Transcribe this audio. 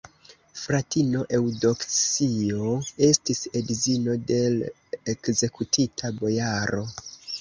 Fratino Eŭdoksio estis edzino de l' ekzekutita bojaro.